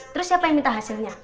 terus siapa yang minta hasilnya